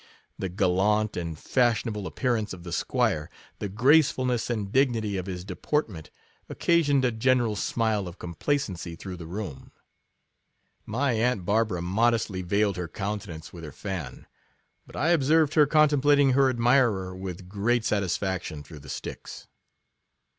The gallant and fashionable appearance of the 'Squire, the gracefulness and dignity of his deportment, occasioned a general smile of complacency through the room ; my aunt Barbara modestly veiled her countenance with her fan ; but I observed her contem plating her admirer with great satisfaction through the sticks.